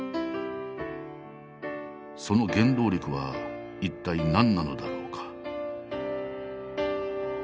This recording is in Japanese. その原動力は一体何なのだろうか。